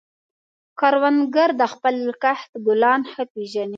کروندګر د خپلې کښت ګلان ښه پېژني